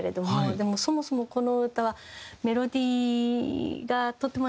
でもそもそもこの歌はメロディーがとても難解ですよね。